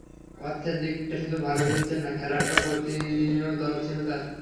অর্থের দিকটাই শুধু ভালো বুঝতেন না, খেলাটার প্রতিও দরদ ছিল তাঁর।